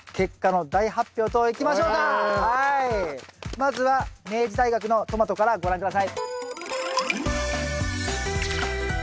まずは明治大学のトマトからご覧下さい。